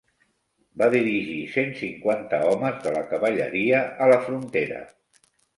Va dirigir cent cinquanta homes de la cavalleria a la frontera.